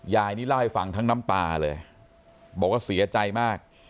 นี่เล่าให้ฟังทั้งน้ำตาเลยบอกว่าเสียใจมาก